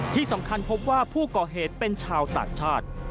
ที่สำคัญพบว่าผู้ก่อเหตุเป็นชาวต่างชาติ